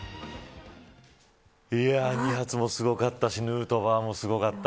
２発もすごかったしヌートバーもすごかった。